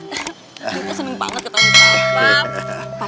rita seneng banget ketemu pak pap